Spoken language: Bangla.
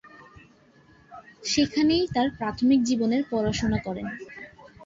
সেখানেই তাঁর প্রাথমিক জীবনের পড়াশোনা করেন।